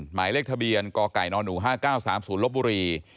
หมายเลขทะเบียนกไก่นหนู๕๙๓๐ลบบุรี